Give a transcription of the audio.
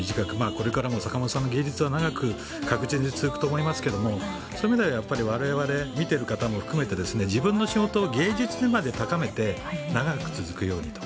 これからも坂本さんの芸術は長く確実に続くと思いますけどそういう意味では我々、見ている方も含めて自分の仕事を芸術にまで高めて、長く続くようにと。